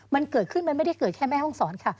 มันเกิดขึ้นมันไม่ได้เกิดแค่แม่ห้องศรค่ะ